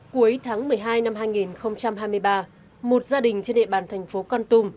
cuối tháng một mươi hai năm hai nghìn hai mươi ba một gia đình trên địa bàn thành phố con tum